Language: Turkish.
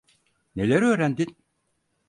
Neler öğrendin?